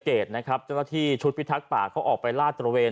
เจ้าหน้าที่ชุดพิทักษ์ป่าเขาออกไปลาดตระเวน